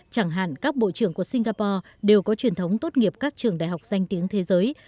chẳng hạn các bộ trưởng của singapore đều có truyền thống tốt nghiệp các trường đại học danh tiếng thế giới